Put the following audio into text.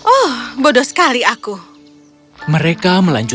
oh bodoh sekali aku